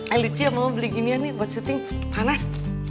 alicia mau beli ginian nih buat syuting panas